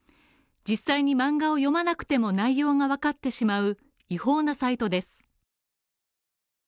実際に漫画を読まなくても、内容が分かってしまう、違法なサイトです。